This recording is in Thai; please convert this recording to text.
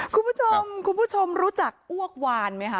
คุณผู้ชมคุณผู้ชมรู้จักอ้วกวานไหมคะ